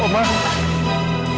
bukan bukan saja